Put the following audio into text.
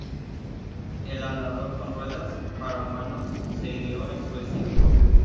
El "andador con ruedas" para humanos se ideó en Suecia.